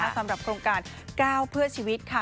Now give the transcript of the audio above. สำหรับโครงการ๙เพื่อชีวิตค่ะ